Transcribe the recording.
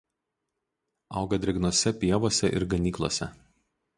Auga drėgnose pievose ir ganyklose.